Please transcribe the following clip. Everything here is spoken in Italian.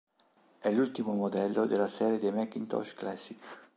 È l'ultimo modello della serie dei Macintosh Classic.